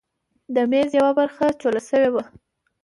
د میز یوه برخه چوله شوې وه.